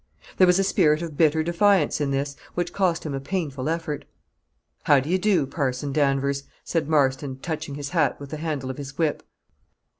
There was a spirit of bitter defiance in this, which cost him a painful effort. "How do you do, Parson Danvers?" said Marston, touching his hat with the handle of his whip.